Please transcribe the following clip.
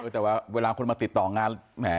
แต่ว่าเวลาคุณมาติดต่องาน